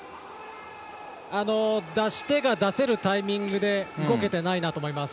出し手が出せるタイミングで動けてないなと思います。